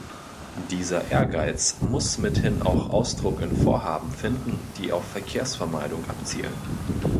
Dieser Ehrgeiz muss mithin auch Ausdruck in Vorhaben finden, die auf Verkehrsvermeidung abzielen.